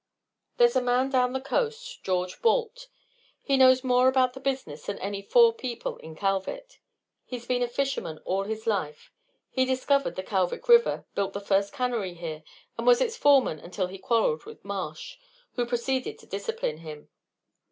"There's a man down the coast, George Balt, who knows more about the business than any four people in Kalvik. He's been a fisherman all his life. He discovered the Kalvik River, built the first cannery here, and was its foreman until he quarrelled with Marsh, who proceeded to discipline him.